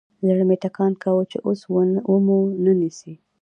زړه مې ټکان کاوه چې اوس ومو نه نيسي.